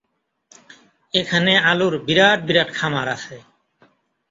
এখানে আলুর বিরাট বিরাট খামার আছে।